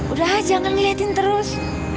udah jangan ngeliatin terus